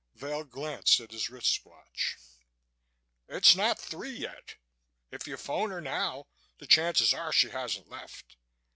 Vail glanced at his wrist watch. "It's not three yet. If you phone her now the chances are she hasn't left.